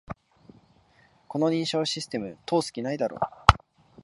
この認証システム、通す気ないだろ